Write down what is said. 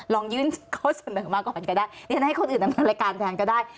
ลองยื่นข้อเสนอมาก่อนก็ได้เรียนให้คนอื่นดำเนินรายการแทนก็ได้